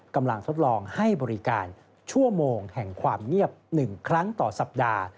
กำลังทดลองให้บริการชั่วโมงแห่งความเงียบ๑ครั้งต่อสัปดาห์